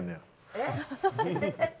えっ？